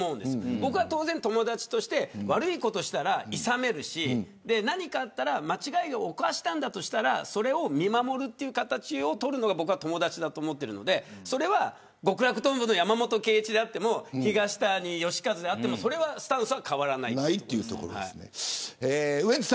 僕は当然、友達として悪いことをしたら、いさめるし間違いを犯したとしたらそれを見守るという形を取るのが友達だと思っているのでそれは、極楽とんぼの山本圭壱であっても東谷義和であってもそれはスタンスは変わらない。